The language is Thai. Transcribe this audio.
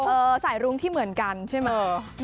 เออสายรุ้งที่เหมือนกันใช่มั้ย